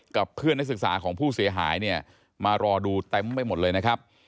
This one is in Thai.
กับเพื่อนนักศึกษาของผู้เสียหายเนี่ยมารอดูเต็มไปหมดเลยนะครับ